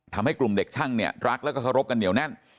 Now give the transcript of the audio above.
ทำให้กลุ่มเด็กช่างเนี่ยรักแล้วก็เคารพกันเหนียวแน่น